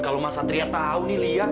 kalau mas satria tahu nih lian